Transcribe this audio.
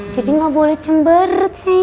jadi nggak boleh cemberut sayang